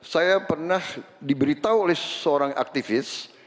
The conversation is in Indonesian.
saya pernah diberitahu oleh seorang aktivis